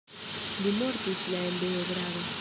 Li mortis la en Beogrado.